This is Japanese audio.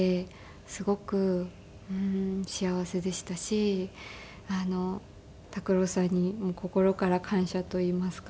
すごく幸せでしたし拓郎さんに心から感謝といいますか。